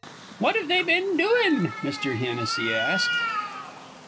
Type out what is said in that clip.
"What have they been doin'?" Mr. Hennessy asked.